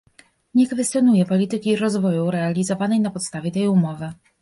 Nie kwestionuję polityki rozwoju realizowanej na podstawie tej umowy